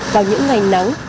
vào những ngày nắng